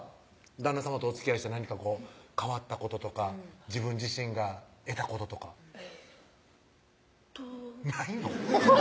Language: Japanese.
旦那さまとおつきあいして何かこう変わったこととか自分自身が得たこととかえっとないの？